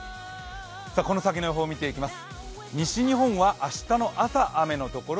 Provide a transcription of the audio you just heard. この先の予報を見ていきます。